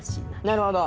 なるほど。